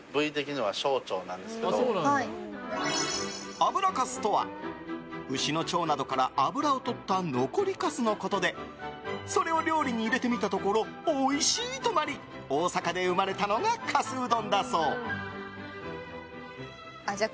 油かすとは牛の腸などから油をとった残りかすのことでそれを料理に入れてみたところおいしいとなり大阪で生まれたのがかすうどんだそう。